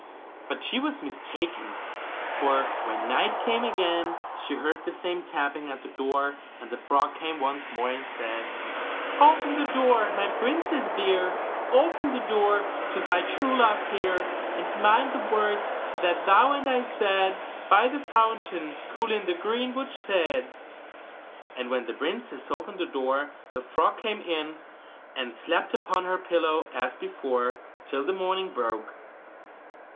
But she was mistaken; for when night came again she heard the same tapping at the door; and the frog came once more, and said: 'Open the door, my princess dear, Open the door to thy true love here! And mind the words that thou and I said By the fountain cool, in the greenwood shade.' And when the princess opened the door the frog came in, and slept upon her pillow as before, till the morning broke.